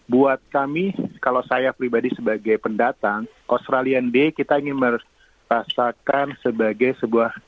buat kami kalau saya pribadi sebagai pendatang australian day kita ingin merasakan sebagai sebuah